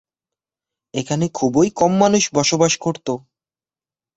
এখানে খুবই কম মানুষ বসবাস করত।